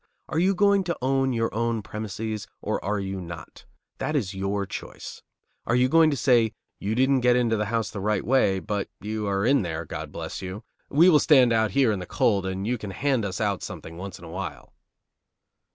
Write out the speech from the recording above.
Are you going to own your own premises, or are you not? That is your choice. Are you going to say: "You didn't get into the house the right way, but you are in there, God bless you; we will stand out here in the cold and you can hand us out something once in a while?"